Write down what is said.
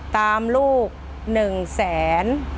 ตามลูก๑๐๐๐๐๐บาท